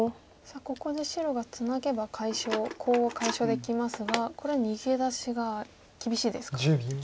ここで白がツナげばコウを解消できますがこれは逃げ出しが厳しいですか。